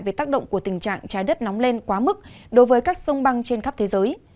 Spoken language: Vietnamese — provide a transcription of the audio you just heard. về tác động của tình trạng trái đất nóng lên quá mức đối với các sông băng trên khắp thế giới